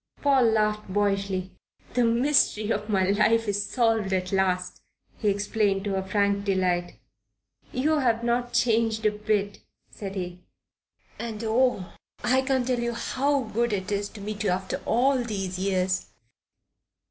Paul laughed boyishly. "The mystery of my life is solved at last." He explained, to her frank delight. "You've not changed a bit," said he. "And oh! I can't tell you how good it is to meet you after all these years."